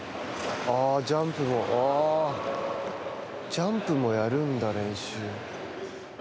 ジャンプもやるんだ、練習。